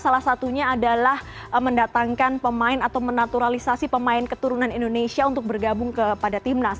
salah satunya adalah mendatangkan pemain atau menaturalisasi pemain keturunan indonesia untuk bergabung kepada timnas